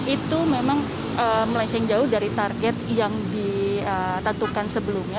itu memang melenceng jauh dari target yang ditentukan sebelumnya